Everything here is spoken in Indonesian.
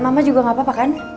mama juga gak apa apa kan